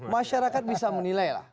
masyarakat bisa menilai lah